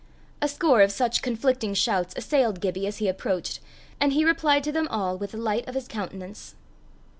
A score of such conflicting shouts assailed Gibbie as he approached, and he replied to them all with the light of his countenance.